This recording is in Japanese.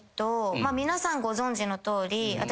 皆さんご存じのとおり私。